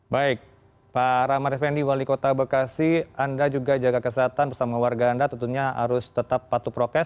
baik pak ramad effendi wali kota bekasi anda juga jaga kesehatan bersama warga anda tentunya harus tetap patuh prokes